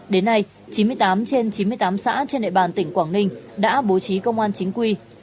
đến nay chín mươi tám trên chín mươi tám xã trên địa bàn tỉnh quảng ninh đã bố trí công an chính quy